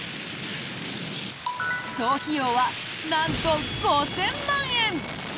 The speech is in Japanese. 総費用は、なんと５０００万円。